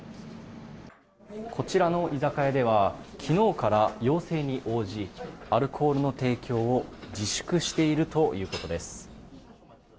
こちらの居酒屋では昨日から要請に応じアルコールの提供を自粛しているということです。